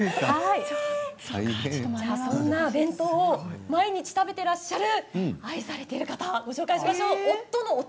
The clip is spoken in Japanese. そんなお弁当を毎日、食べていらっしゃる愛されている方をご紹介します。